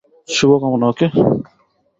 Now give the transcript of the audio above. শুভকামনা, ওকে?